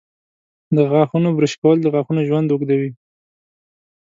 د غاښونو برش کول د غاښونو ژوند اوږدوي.